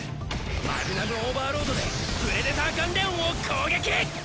マグナム・オーバーロードでプレデター・ガンレオンを攻撃！